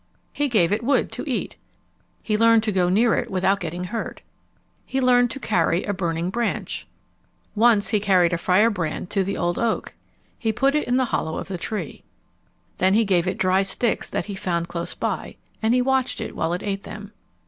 He gave it wood to eat. He learned to go near it without getting hurt. He learned to carry a burning branch. Once he carried a firebrand to the old oak. He put it in the hollow of the tree. Then he gave it dry sticks that he found close by, and he watched it while it ate them.